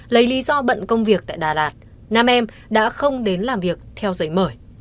lấy lý do bận công việc tại đà lạt nam em đã không đến làm việc theo giấy mời